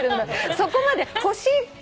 そこまで欲しいとは。